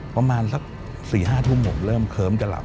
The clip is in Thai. ประมาณสัก๔๕ทุ่มผมเริ่มเคิ้มจะหลับ